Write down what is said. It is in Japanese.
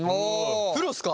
プロっすか！？